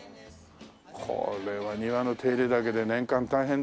これは庭の手入れだけで年間大変だよ。